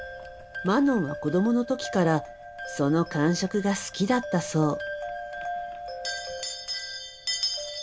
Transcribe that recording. マノンは子どもの時からその感触が好きだったそう。